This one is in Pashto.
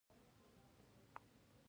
د منځنۍ اسیا بازارونه څنګه دي؟